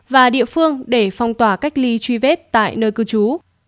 và địa phương để phong tỏa cách ly truy vết tại nơi cư trú